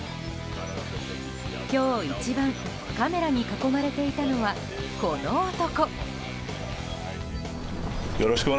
今日一番カメラに囲まれていたのはこの男。